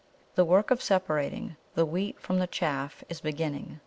The work of separating the wheat from the chaff is beginning.